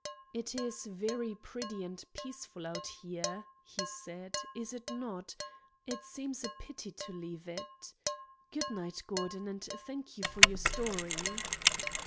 "It is very pretty and peaceful out here," he said, "is it not? It seems a pity to leave it. Good night, Gordon, and thank you for your story."